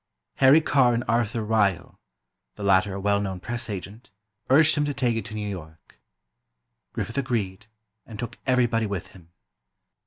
Harry Carr and Arthur Ryal, the latter a well known press agent, urged him to take it to New York. Griffith agreed, and took everybody with him.